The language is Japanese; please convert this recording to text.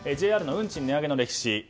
ＪＲ運賃値上げの歴史。